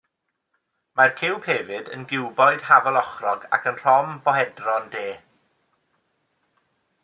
Mae'r ciwb hefyd yn giwboid hafalochrog ac yn rhombohedron de.